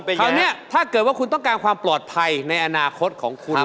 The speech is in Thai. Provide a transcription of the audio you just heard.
คราวนี้ถ้าเกิดว่าคุณต้องการความปลอดภัยในอนาคตของคุณ